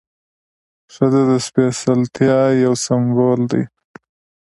ښځه د سپېڅلتیا یو سمبول ده.